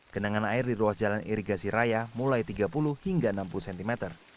genangan air di ruas jalan irigasi raya mulai tiga puluh hingga enam puluh cm